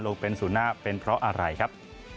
ลงเป็นศูนย์หน้าเป็นเพราะอะไรครับ